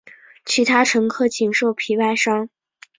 其他乘客仅受皮外伤。